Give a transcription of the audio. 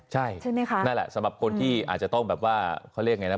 ใช่ไหมคะนั่นแหละสำหรับคนที่อาจจะต้องแบบว่าเขาเรียกไงนะ